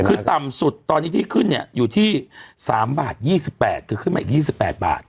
คือต่ำสุดตอนนี้ที่ขึ้นเนี่ยอยู่ที่๓บาท๒๘คือขึ้นมาอีก๒๘บาท